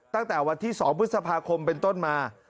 ตั้งแต่วันที่๒พฤษภาคมเป็นต้นมา